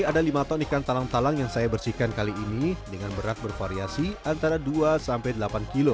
ada lima ton ikan talang talang yang saya bersihkan kali ini dengan berat bervariasi antara dua sampai delapan kilo